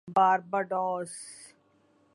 Barbados